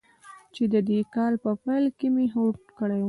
چې د دې کال په پیل کې مې هوډ کړی و.